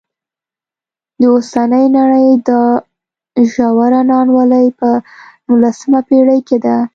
د اوسنۍ نړۍ دا ژوره نا انډولي په نولسمه پېړۍ کې ده.